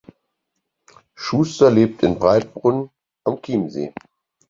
Schuster lebt in Breitbrunn am Chiemsee.